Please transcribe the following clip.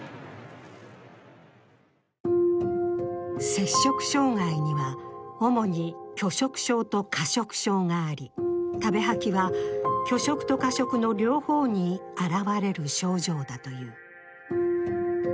摂食障害には主に拒食症と過食症があり食べ吐きは拒食と過食の両方に現れる症状だという。